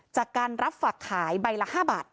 จากการรับฝากขายใบละ๕บาท